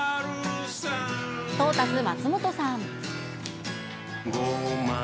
トータス松本さん。